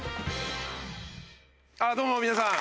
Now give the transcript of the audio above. あっどうも皆さん。